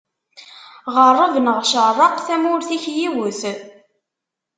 Ɣerreb neɣ cerreq, tamurt-ik yiwet.